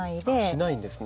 しないんですね。